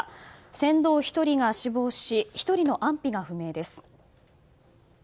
船頭１人が死亡し１人の安否が不明です。